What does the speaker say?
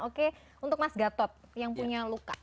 oke untuk mas gatot yang punya luka